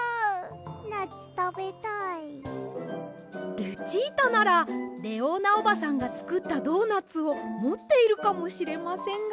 ルチータならレオーナおばさんがつくったドーナツをもっているかもしれませんが。